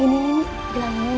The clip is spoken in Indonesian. ini gelang ini untuk nini